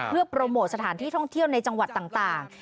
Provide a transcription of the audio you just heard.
เพื่อโปรโมทสถานที่ท่องเที่ยวในจังหวัดต่าง